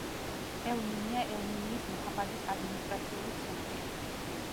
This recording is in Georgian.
ელ-მინია ელ-მინიის მუჰაფაზის ადმინისტრაციული ცენტრია.